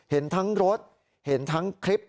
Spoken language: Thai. เห็นทั้งรถเห็นทั้งคลิป